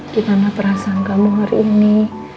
gimana perasaan kamu hari ini